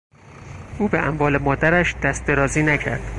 او به اموال مادرش دست درازی نکرد.